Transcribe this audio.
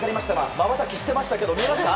まばたきしてましたけど見えました？